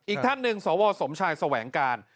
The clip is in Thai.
อีกท่านหนึ่งสวสมชายแสวงการ